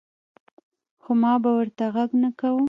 خو ما به ورته غږ نۀ کوۀ ـ